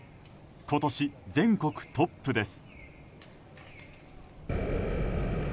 今年、全国トップです。